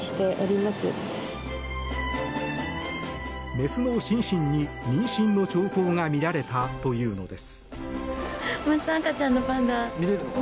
メスのシンシンに妊娠の兆候が見られたというのです。